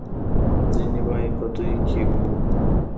ځینې وايي په دوی کې اوه وو.